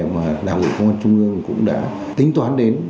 mà đảng ủy công an trung ương cũng đã tính toán đến